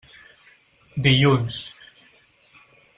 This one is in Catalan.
Dilluns.